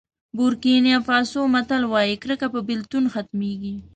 بورکېنا فاسو متل وایي کرکه په بېلتون ختمېږي.